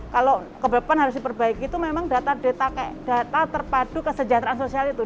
kalau kebeban harus diperbaiki itu memang data terpadu kesejahteraan sosial itu